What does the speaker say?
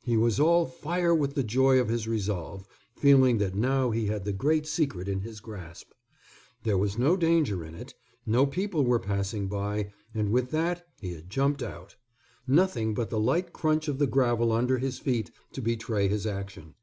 He was all fire with the joy of his resolve, feeling that now he had the great secret in his grasp. There was no danger in it. No people were passing by and with that he had jumped out. Nothing but the light crunch of the gravel under his feet to betray his action.